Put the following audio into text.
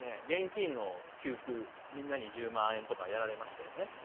現金の給付みんなに１０万円とかやられましたよね。